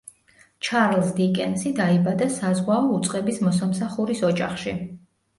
ჩარლზ დიკენსი დაიბადა საზღვაო უწყების მოსამსახურის ოჯახში.